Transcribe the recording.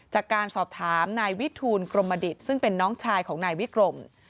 จากการสอบถามนายวิทูลกรมดิตซึ่งเป็นน้องชายของนายวิกรม